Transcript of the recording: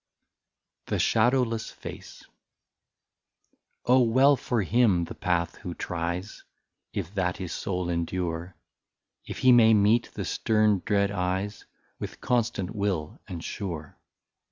42 THE SHADOWLESS FACE. ' Oh ! well, for him the path who tries, If that his soul endure, If he may meet the stern dread eyes. With constant will and sure.